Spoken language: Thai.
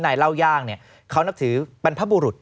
เล่าย่างเขานับถือบรรพบุรุษ